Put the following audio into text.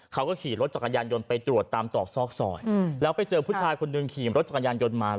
เขาก็ขี่รถจักรยานยนต์ไปตรวจตามตอกซอกซอยแล้วไปเจอผู้ชายคนหนึ่งขี่รถจักรยานยนต์มา